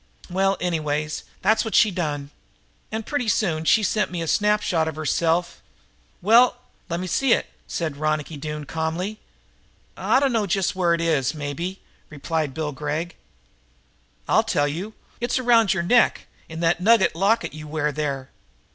"Well, anyways, that's what she done. And pretty soon she sent me a snapshot of herself. Well " "Lemme see it," said Ronicky Doone calmly. "I dunno just where it is, maybe," replied Bill Gregg. "Ill tell you. It's right around your neck, in that nugget locket you wear there."